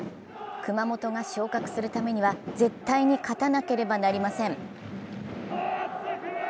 熊本が昇格するためには絶対に勝たなければなりません。